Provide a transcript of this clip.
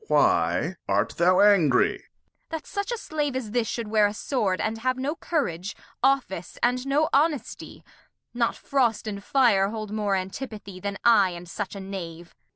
Why art thou angry ? Kent. That such a Slave as this shou'd wear a Sword And have no Courage ? Office, and no Honesty ; Not Frost and Fire hold more Antipathy Then I and such a Knave. Glost.